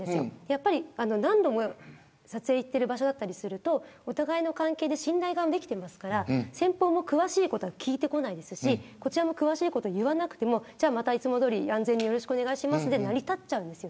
やっぱり何度も撮影行っている場所だとお互いの関係で信頼ができていますから先方も詳しいことは聞いてこないですしこちらも詳しいことを言わなくてもいつもどおり安全によろしくお願いしますで成り立つんです。